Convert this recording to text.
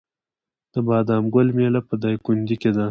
د بادام ګل میله په دایکنډي کې ده.